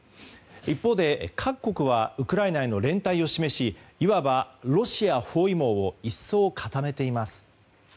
一方で各国はウクライナへの連帯を示しいわばロシア包囲網を一層、固めています。